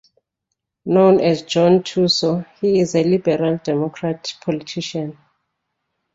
Known as John Thurso, he is a Liberal Democrat politician.